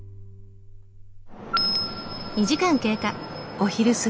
お昼過ぎ。